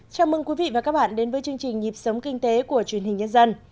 chào mừng quý vị và các bạn đến với chương trình nhịp sống kinh tế của truyền hình nhân dân